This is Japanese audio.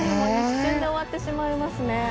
一瞬で終わってしまいますね。